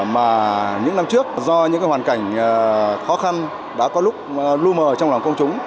mà những năm trước do những hoàn cảnh khó khăn đã có lúc lưu mờ trong lòng công chúng